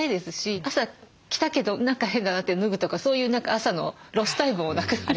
朝着たけど何か変だなって脱ぐとかそういう何か朝のロスタイムもなくなります。